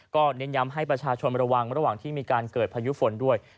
ก็เน้นย้ำให้ประชาชนระวังระหว่างที่มีการเกิดพายุฝนด้วย